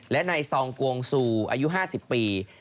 และนายซองกวงซูอายุ๕๐ปี